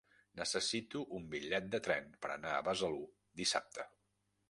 Necessito un bitllet de tren per anar a Besalú dissabte.